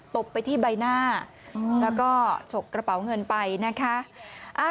บไปที่ใบหน้าแล้วก็ฉกกระเป๋าเงินไปนะคะ